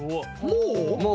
もう。